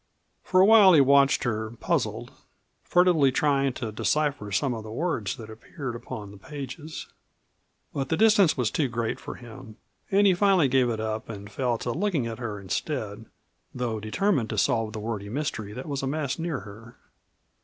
For a while he watched her, puzzled, furtively trying to decipher some of the words that appeared upon the pages. But the distance was too great for him and he finally gave it up and fell to looking at her instead, though determined to solve the wordy mystery that was massed near her.